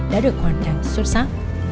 đã được hoàn thành xuất sắc